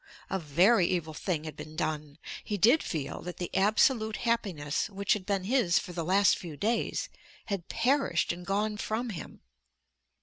A very evil thing had been done. He did feel that the absolute happiness which had been his for the last few days had perished and gone from him.